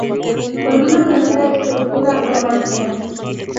Con una primera estructura románica.